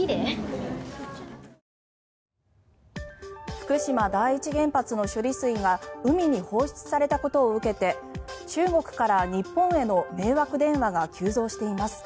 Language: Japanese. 福島第一原発の処理水が海に放出されたことを受けて中国から日本への迷惑電話が急増しています。